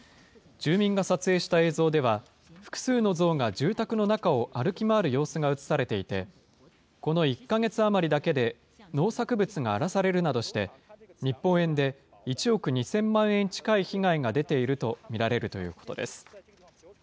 住民が撮影した映像では、複数のゾウが住宅の中を歩き回る様子が写されていて、この１か月余りだけで、農作物が荒らされるなどして、日本円で１億２０００万円近い被害が出ていると見られるということです。